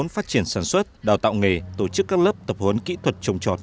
phát triển sản xuất đào tạo nghề tổ chức các lớp tập huấn kỹ thuật trồng trọt